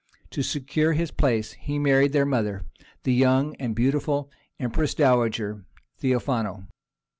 To secure his place he married their mother, the young and beautiful empress dowager Theophano.